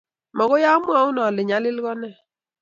Mokoi amwaun ale nyalil ko ne.